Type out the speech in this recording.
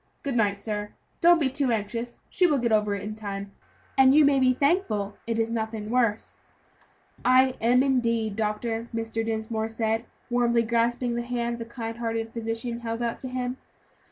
Good night, sir; don't be too anxious, she will get over it in time, and you may be thankful it is nothing worse." "I am, indeed, doctor," Mr. Dinsmore said, warmly grasping the hand the kind hearted physician held out to him.